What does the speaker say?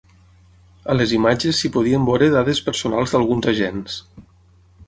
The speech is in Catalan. A les imatges s’hi podien veure dades personals d’alguns agents.